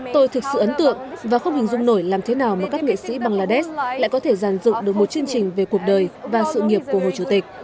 tôi thực sự ấn tượng và không hình dung nổi làm thế nào mà các nghệ sĩ bangladesh lại có thể giàn dựng được một chương trình về cuộc đời và sự nghiệp của hồ chủ tịch